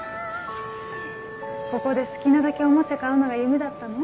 ここで好きなだけおもちゃ買うのが夢だったの？